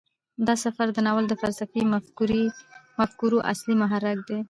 دا سفر د ناول د فلسفي مفکورو اصلي محرک و.